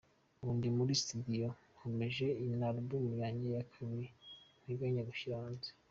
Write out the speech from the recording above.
ubu ndi muri studio, nkomeje na album yanjye ya kabiri nteganya gushyira hanze.